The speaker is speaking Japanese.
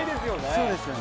そうですよね。